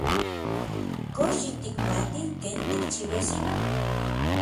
¿Kox yitikmati ken tikchiuas inon?